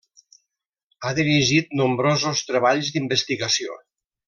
Ha dirigit nombrosos treballs d'investigació.